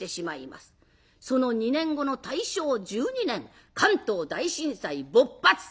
その２年後の大正１２年関東大震災勃発。